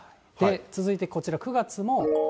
続いてはこちら、９月も。